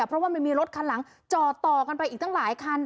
เพราะว่ามันมีรถคันหลังจอดต่อกันไปอีกตั้งหลายคัน